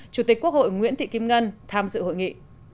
chủ tịch quốc hội nguyễn thị kim ngân tham dự hội nghị